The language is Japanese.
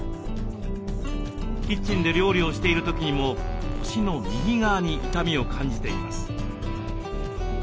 キッチンで料理をしている時にも腰の右側に痛みを感じています。